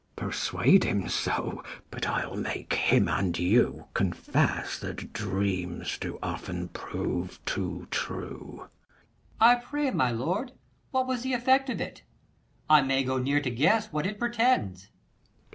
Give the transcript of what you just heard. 45 Mess. Persuade him so, but I'll make him and you Confess, that dreams do often prove too true. Per. I pray, my lord, what was the effect of it ? I may go near to guess what it pretends. Mess.